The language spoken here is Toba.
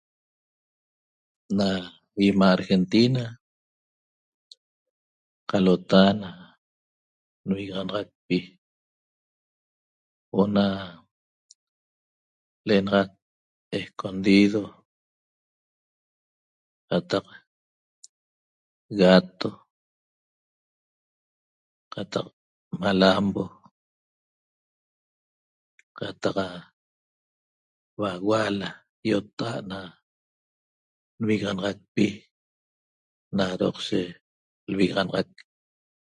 Na 'ima' Argentina qalota na nvigaxanaxacpi huo'o na l'enaxat escondido qataq gato qataq malambo qataq baguala ýotta'a't na lvigaxanaxacpi na doqshe lvigaxanaxac